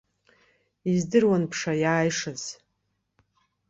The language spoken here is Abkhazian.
Издыруан бшаиааишаз.